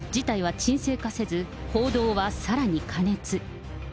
しかし、事態は沈静化せず、報道はさらに過熱。